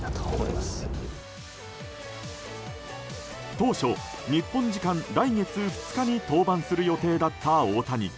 当初、日本時間来月２日に登板する予定だった大谷。